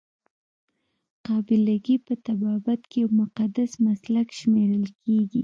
قابله ګي په طبابت کې یو مقدس مسلک شمیرل کیږي.